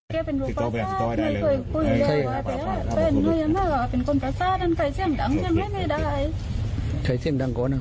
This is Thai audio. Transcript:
ใส่แมภัษตสะเบียแล้วเธอไปด้านนั้น